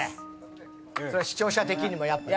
視聴者的にもやっぱね。